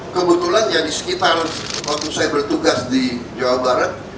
kebetulan ya di sekitar waktu saya bertugas di jawa barat